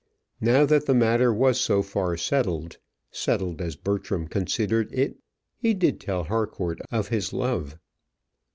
Now that the matter was so far settled settled as Bertram considered it he did tell Harcourt of his love.